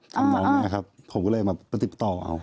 ทำน้องนะครับผมก็เลยมาประติบต่อเอา